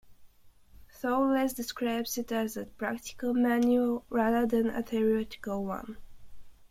Thouless describes it as a practical manual, rather than a theoretical one.